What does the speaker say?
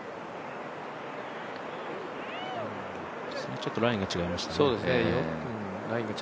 ちょっとラインが違いましたね。